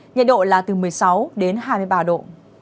nhiệt độ là từ một mươi sáu đến hai mươi ba độ